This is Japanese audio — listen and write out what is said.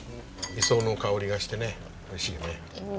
磯の香りがしてね美味しいよね。